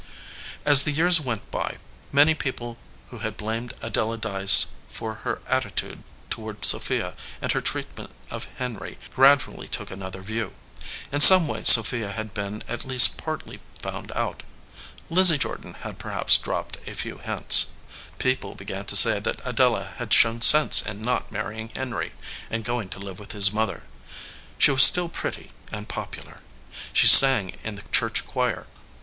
As the years went by many people who had blamed Adela Dyce for her attitude toward Sophia and her treatment of Henry gradually took another view. In some way Sophia had been at least partly found out. Lizzie Jordan had perhaps dropped a few hints. People began to say that Adela had shown sense in not marrying Henry and going to live with his mother. She was still pretty and popular. She sang in the church choir.